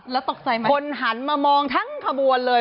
หันหันมามองทั้งขบวนเลย